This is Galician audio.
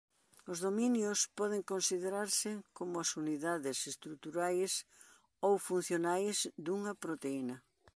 Os dominios poden considerarse como as unidades estruturais ou funcionais dunha proteína.